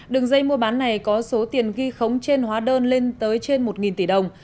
đường dây mua bán này có số tiền ghi khống trên hóa đơn lên tới trên một tỷ đồng